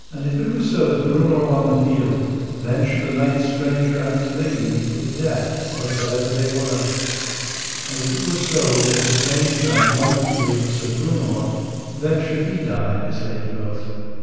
And if it were so that Breunor won the field, then should the knight stranger and his lady be put to death, what that ever they were; and if it were so that the strange knight won the field of Sir Breunor, then should he die and his lady both.